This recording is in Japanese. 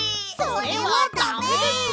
それはダメです！